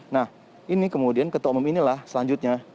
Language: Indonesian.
nah ini kemudian ketua umum inilah selanjutnya